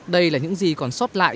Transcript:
đây là những gì còn sót lại